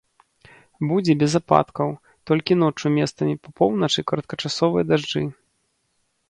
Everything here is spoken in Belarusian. Будзе без ападкаў, толькі ноччу месцамі па поўначы кароткачасовыя дажджы.